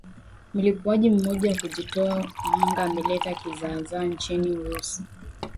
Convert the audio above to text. mlipuaji mmoja wa kujitoa mhanga ameleta kizaazaa nchini urusi